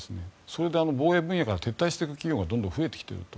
それで、防衛分野から撤退する企業がどんどん増えてきている。